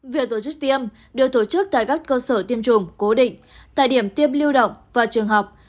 việc tổ chức tiêm được tổ chức tại các cơ sở tiêm chủng cố định tại điểm tiêm lưu động và trường học